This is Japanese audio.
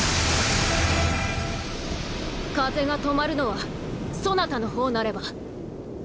風が止まるのはそなたの方なれば。